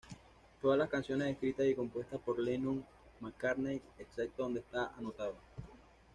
Todas las canciones escritas y compuestas por Lennon—McCartney, excepto donde está anotado.